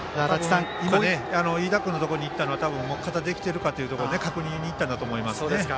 飯田君のところに行ったのは多分、肩はできているかという確認に行ったんだと思います。